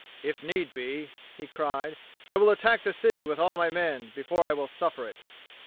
"If need be," he cried, "I will attack the city with all my men, before I will suffer it."